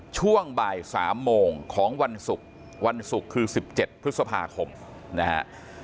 ช่วงบ่าย๓โมงของวันศุกร์วันศุกร์คือ๑๗พฤษภาคมนะฮะ